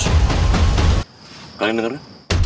suara siapa itu